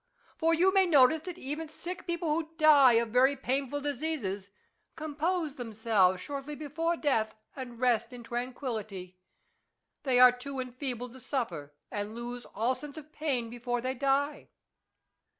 For you may notice that even sick people who die of very painful diseases compose themselves shortly before death, and rest in tranquillity ; they are too enfeebled to suffer, and lose all sense of pain before they die.